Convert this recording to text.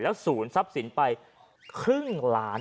ศูนย์ทรัพย์สินไปครึ่งล้าน